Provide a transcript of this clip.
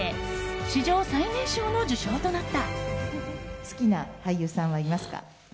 史上最年少の受賞となった。